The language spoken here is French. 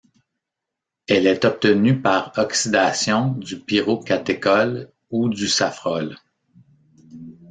Elle est obtenue par oxydation du pyrocatéchol ou du safrole.